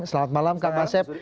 selamat malam kang asep